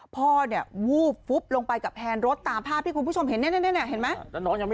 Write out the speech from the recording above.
พ่อเนี่ยวูบฟุบลงไปกับแพนรถตามภาพที่คุณผู้ชมเห็นเนี่ยเห็นไหม